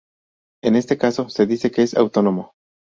En este caso, se dice que es autónomo.